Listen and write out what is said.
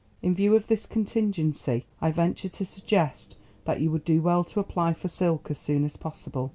In view of this contingency I venture to suggest that you would do well to apply for silk as soon as possible.